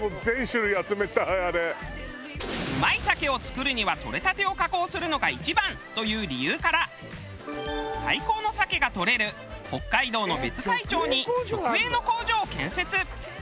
うまい鮭を作るにはとれたてを加工するのが一番という理由から最高の鮭がとれる北海道の別海町に直営の工場を建設。